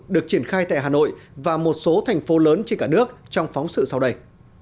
được triển khai tại hà nội và một số thành phố lớn trên cả nước trong phóng sự sau đây